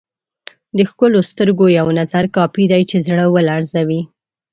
د ښکلو سترګو یو نظر کافي دی چې زړه ولړزوي.